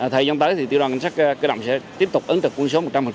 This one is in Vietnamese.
thời gian tới tiểu đoàn cảnh sát cơ động sẽ tiếp tục ứng trực quân số một trăm linh